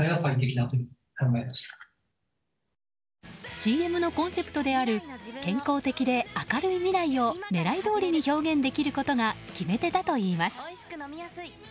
ＣＭのコンセプトである健康的で明るい未来を狙いどおりに表現できることが決め手だといいます。